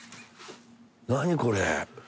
何これ？